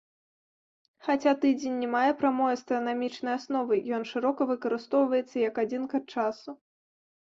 Хаця тыдзень не мае прамой астранамічнай асновы, ён шырока выкарыстоўваецца як адзінка часу.